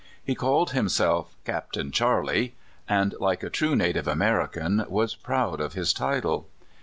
He called himself *' Captain Charley," and, like a true native American, was proud of his title.